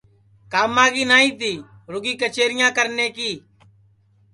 کاما کی نائی تی رُگی کچیریاں کرنے کی